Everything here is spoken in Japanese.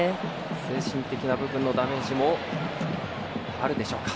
精神的な部分のダメージもあるでしょうか。